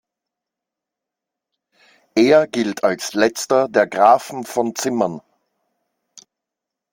Er gilt als letzter der "Grafen von Zimmern".